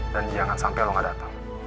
dan jangan sampe lo gak dateng